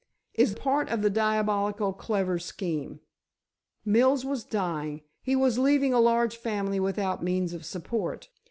"Is part of the diabolically clever scheme. Mills was dying; he was leaving a large family without means of support.